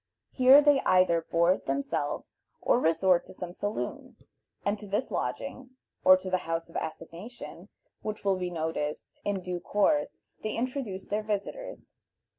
Here they either board themselves or resort to some saloon, and to this lodging, or to the house of assignation, which will be noticed in due course, they introduce their visitors.